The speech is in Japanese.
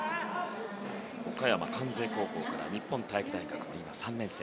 岡山の関西高校から日本体育大学、３年生。